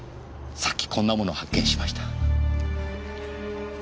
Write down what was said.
さっきこんなものを発見しました。